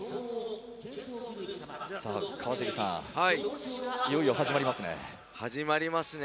川尻さん、いよいよ始まりますね。